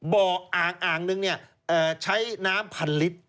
บ่ออ่างนึงใช้น้ำ๑๐๐๐ลิตร